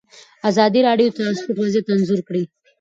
ازادي راډیو د ترانسپورټ وضعیت انځور کړی.